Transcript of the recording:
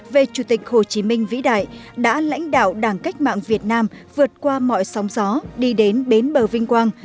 về chủ tịch hồ chí minh vĩ đại đã lãnh đạo đảng cách mạng việt nam vượt qua mọi sóng gió đi đến bến bờ vinh quang